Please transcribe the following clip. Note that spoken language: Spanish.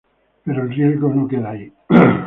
Pero el riesgo no queda ahí.